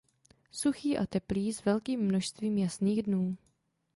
Suchý a teplý s velkým množstvím jasných dnů.